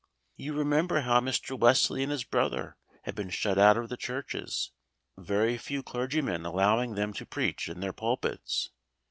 You remember how Mr. Wesley and his brother had been shut out of the churches, very few clergymen allowing them to preach in their pulpits.